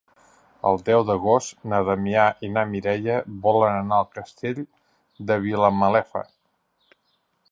El deu d'agost na Damià i na Mireia volen anar al Castell de Vilamalefa.